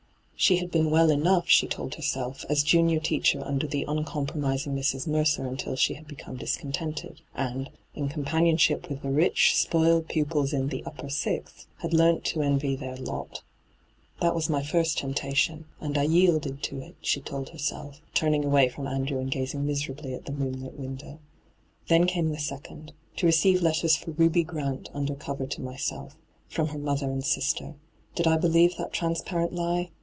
She had been well enough, she told herself, as junior teacher under the uncompromising Mrs. Mercer until she had become discontented, and, in com panionship with the rich, spoiled pupils in the ' upper sixth,' had learnt to envy their lot. hyGoogIc 172 ENTRAPPED 'That was my first temptation, and I yielded to it,' she told herself, turning away from Andrew and gazing miserably at the moonlit window. ' Then came the second — to receive letters for Ruby Grant under cover to myself. From her mother and sister— did I believe that transparent lie